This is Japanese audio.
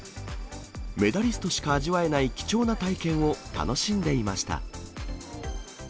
メダリストしか味わえない貴重な体験を楽しんでいました。